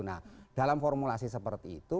nah dalam formulasi seperti itu